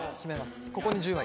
ここに１０枚。